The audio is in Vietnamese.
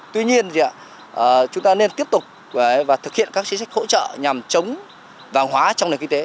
tuy nhiên chúng ta nên tiếp tục thực hiện các chính sách hỗ trợ nhằm chống vàng hóa trong nền kinh tế